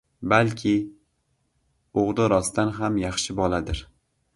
— Balki, o‘g‘li rostdan ham yaxshi boladir...